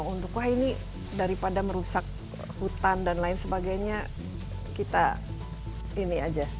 untuk wah ini daripada merusak hutan dan lain sebagainya kita ini aja